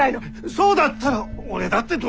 そうだったら俺だってどんだけ。